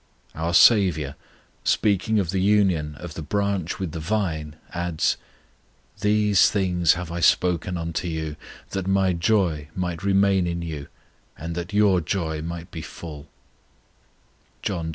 Our SAVIOUR, speaking of the union of the branch with the vine, adds, "These things have I spoken unto you, that My joy might remain in you, and that your joy might be full" (John xv.